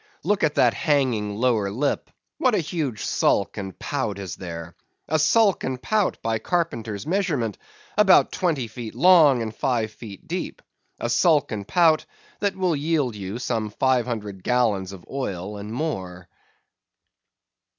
Look at that hanging lower lip! what a huge sulk and pout is there! a sulk and pout, by carpenter's measurement, about twenty feet long and five feet deep; a sulk and pout that will yield you some 500 gallons of oil and more.